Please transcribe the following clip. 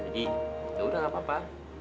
jadi yaudah gak apa apa